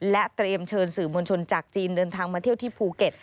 และเตรียมเชิญสื่อมวลชนจากจีนเดินทางมาเที่ยวที่ภูเก็ต